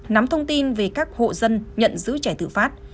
nắm thông tin về các hộ dân nhận giữ trẻ tự phát